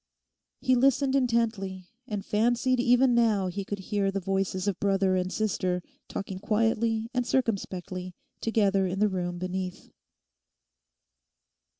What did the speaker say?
He listened intently and fancied even now he could hear the voices of brother and sister talking quietly and circumspectly together in the room beneath.